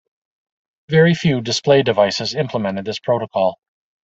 Very few display devices implemented this protocol.